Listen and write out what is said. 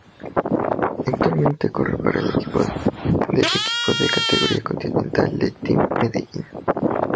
Actualmente corre para el equipo de equipo de categoría Continental el Team Medellín.